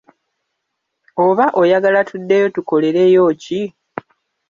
Oba oyagala tuddeyo tukolereyo ki?